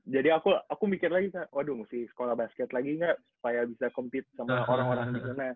jadi aku mikir lagi waduh mesti sekolah basket lagi gak supaya bisa compete sama orang orang di sana